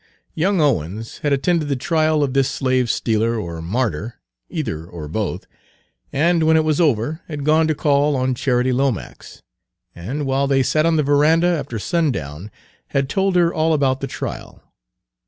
Young Owens had attended the trial of this slave stealer, or martyr, either or both, and, when it was over, had gone to call on Charity Lomax, and, while they sat on the veranda after sundown, had told her all about the trial.